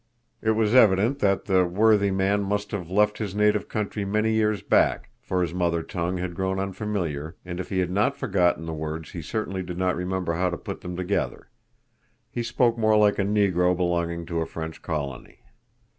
It was evident that the worthy man must have left his native country many years back, for his mother tongue had grown unfamiliar, and if he had not forgotten the words he certainly did not remember how to put them together. He spoke more like a negro belonging to a French colony.